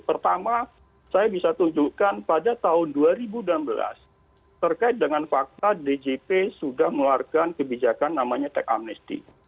pertama saya bisa tunjukkan pada tahun dua ribu enam belas terkait dengan fakta djp sudah mengeluarkan kebijakan namanya tech amnesty